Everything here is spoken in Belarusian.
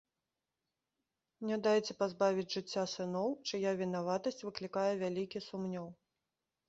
Не дайце пазбавіць жыцця сыноў, чыя вінаватасць выклікае вялікі сумнеў.